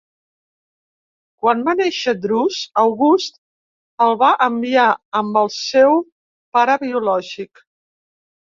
Quan va néixer Drus, August el va enviar amb el seu pare biològic.